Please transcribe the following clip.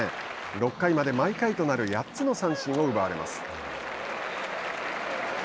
６回まで毎回となる８つの三振を奪われます。